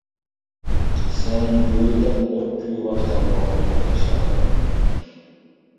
سەن گۈرۈلدەپ ئوت كۆيۈۋاتقان باغرىمغا تاشلاندىڭ.